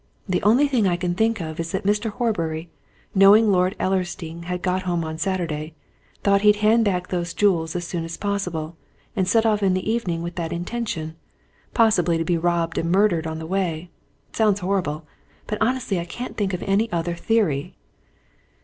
The only thing I can think of is that Mr. Horbury, knowing Lord Ellersdeane had got home on Saturday, thought he'd hand back those jewels as soon as possible, and set off in the evening with that intention possibly to be robbed and murdered on the way. Sounds horrible but honestly I can't think of any other theory."